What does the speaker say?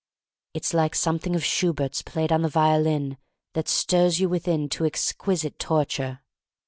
It's like something of Schubert's played on the violin that stirs you within to exquisite torture.